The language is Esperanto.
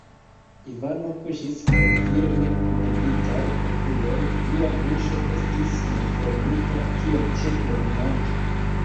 Ivano kuŝis kun firme kunigitaj okuloj; lia buŝo estis malfermita, kiel ĉe dormanto.